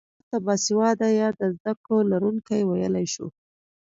چا ته باسواده يا د زده کړو لرونکی ويلی شو؟